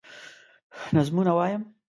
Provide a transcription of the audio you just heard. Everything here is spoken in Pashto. نظمونه وايم